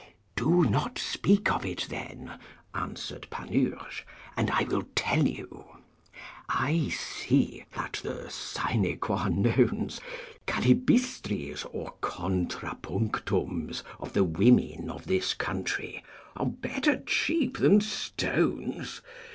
Do not speak of it then, answered Panurge, and I will tell it you. I see that the sine quo nons, kallibistris, or contrapunctums of the women of this country are better cheap than stones.